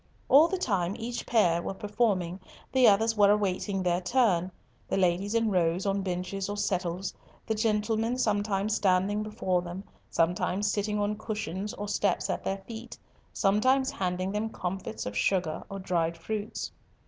All the time each pair were performing, the others were awaiting their turn, the ladies in rows on benches or settles, the gentlemen sometimes standing before them, sometimes sitting on cushions or steps at their feet, sometimes handing them comfits of sugar or dried fruits.